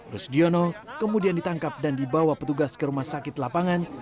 rusdiono kemudian ditangkap dan dibawa petugas ke rumah sakit lapangan